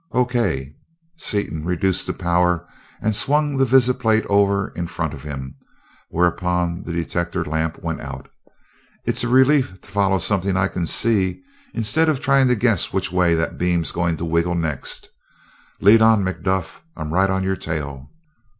"O.K." Seaton reduced the power and swung the visiplate over in front of him, whereupon the detector lamp went out. "It's a relief to follow something I can see, instead of trying to guess which way that beam's going to wiggle next. Lead on, Macduff I'm right on your tail!"